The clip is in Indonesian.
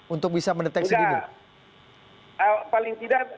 untuk bisa mendeteksi ini